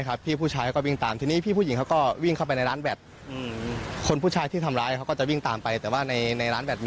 เค้าก็ไม่มีทาทีว่าจะทำร้ายใครครับ